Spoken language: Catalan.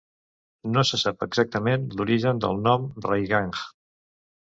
No se sap exactament l'origen del nom Raiganj.